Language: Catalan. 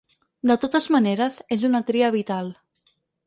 De totes maneres, és una tria vital.